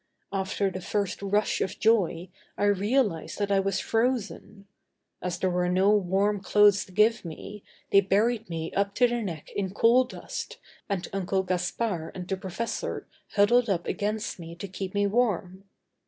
After the first rush of joy, I realized that I was frozen. As there were no warm clothes to give me, they buried me up to the neck in coal dust and Uncle Gaspard and the professor huddled up against me to keep me warm.